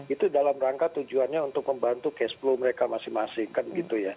itu dalam rangka tujuannya untuk membantu cashflow mereka masing masing